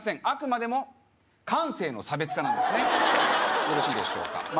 あくまでも感性の差別化なんですねよろしいでしょうか